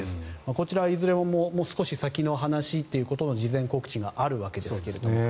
こちらはいずれももう少し先の話だという事前告知があるわけですが。